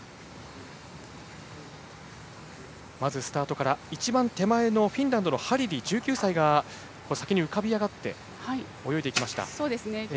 まずスタートから一番手前のフィンランドのハリリ１９歳が、先に浮かび上がって泳いでいきました。